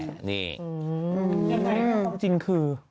ความจริงคือ